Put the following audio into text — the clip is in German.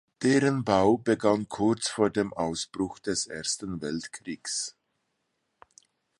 Deren Bau begann kurz vor dem Ausbruch des Ersten Weltkriegs.